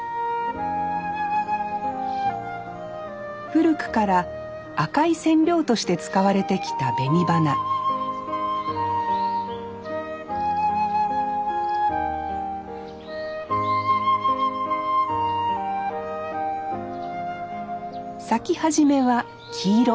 古くから赤い染料として使われてきた紅花咲き始めは黄色。